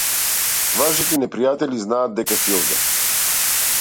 Вашите непријатели знаат дека си овде.